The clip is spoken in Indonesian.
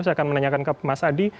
saya akan menanyakan ke mas adi